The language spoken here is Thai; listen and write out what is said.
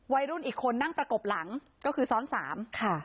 วัยรุ่นอีกคนนั่งประกบหลังก็คือซ้อนสามค่ะ